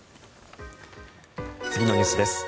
次のニュースです。